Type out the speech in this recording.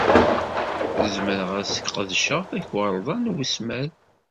Zemreɣ ad sqedceɣ takarḍa n wesmad?